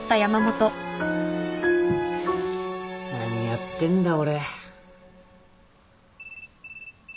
何やってんだ俺。